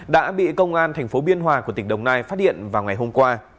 đã bị công an tp biên hòa của tỉnh đồng nai phát điện vào ngày hôm qua